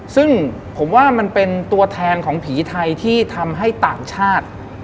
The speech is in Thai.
ซึ่งผมว่ามันเป็นตัวแทนของผีไทยที่ทำให้ต่างชาติ